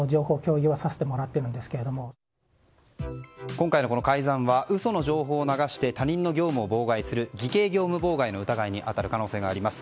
今回の改ざんは嘘の情報を流して他人の業務を妨害する偽計業務妨害の疑いに当たる可能性があります。